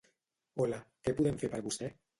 Hola, què podem fer per vostè?